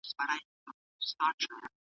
شعر د احساساتو ژبه ده.